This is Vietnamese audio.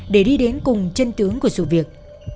để đi đến cùng chân tướng của sự việc